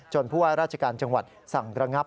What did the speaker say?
จนพวกราชการจังหวัดสั่งกระงับ